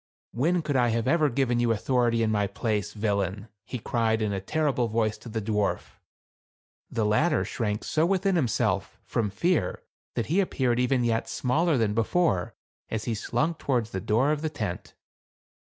"When could I have ever given you authority in my place, villain ?" he cried in a terrible voice to the dwarf. The latter shrank so 166 THE CAB AVAN. within himself, from fear, that he appeared even yet smaller than before, as he slunk towards the door of the tent.